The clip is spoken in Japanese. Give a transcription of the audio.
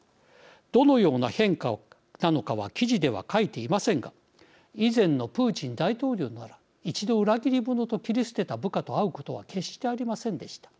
どのような変化なのかは記事では書いていませんが以前のプーチン大統領なら一度、裏切り者と切り捨てた部下と会うことは決してありませんでした。